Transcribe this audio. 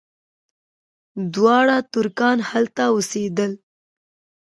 دواړه ترکان هلته اوسېدل.